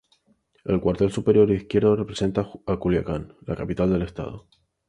El cuartel superior izquierdo representa a Culiacán, la capital del estado.